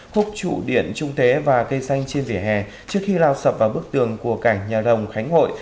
khúc trụ điện trung thế và cây xanh trên vỉa hè trước khi lao sập vào bức tường của cảng nhà rồng khánh hội